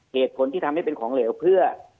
เหตุผลที่ทำให้เป็นของเหลวเพื่อ